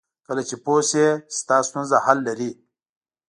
کله چې پوه شې ستا ستونزه حل لري.